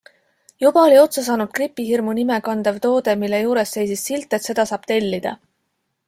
Juba oli otsa saanud Gripihirmu nime kandev toode, mille juures seisis silt, et seda saab tellida.